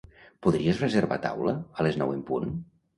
Podries reservar taula a les nou en punt?